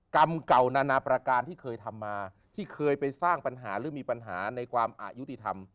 กรรมเก่านานาประการที่เคยทำมาที่เคยไปสร้างปัญหาหรือมีปัญหาในความอายุติธรรม